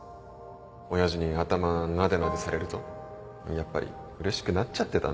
親父に頭なでなでされるとやっぱり嬉しくなっちゃってたんだよね。